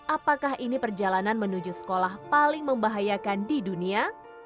apakah ini perjalanan menuju sekolah paling membahayakan di dunia